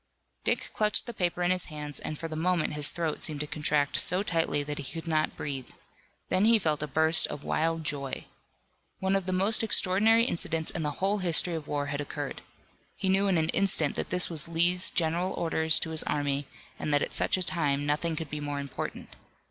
Dick clutched the paper in his hands and for the moment his throat seemed to contract so tightly that he could not breathe. Then he felt a burst of wild joy. One of the most extraordinary incidents in the whole history of war had occurred. He knew in an instant that this was Lee's general orders to his army, and that at such a time nothing could be more important.